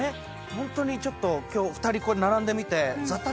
ホントに今日２人並んでみて。